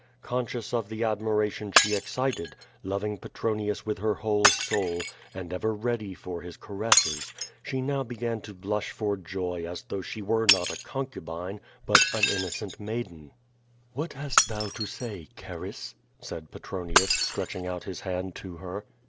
Conscious of the admiration she excited, loving Petronius with her whole soul, and ever ready for his caresses, she now began to blush for joy as though she were not a con cubine, but an innocent maiden. 370 Of/o VAOrs. What hast thou to say, Charis?'" said Petronius, stretching out his hand to her.